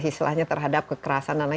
istilahnya terhadap kekerasan anak